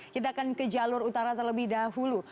kita akan ke jalur utara terlebih dahulu